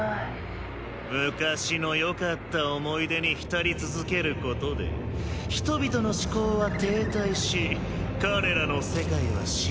昔のよかった思い出に浸り続けることで人々の思考は停滞し彼らの世界は死んでいく。